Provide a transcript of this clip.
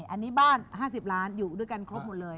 อันนี้บ้าน๕๐ล้านอยู่ด้วยกันครบหมดเลย